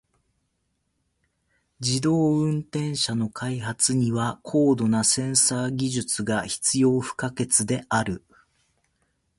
自動運転車の開発には高度なセンサー技術が必要不可欠である。